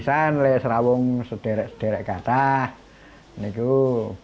jumio juga menjadikan raya jumio sebagai kekuatan yang terbaik